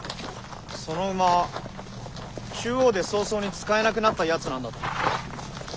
その馬中央で早々に使えなくなったやつなんだって？